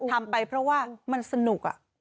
ทำไปเพราะว่ามันสนุก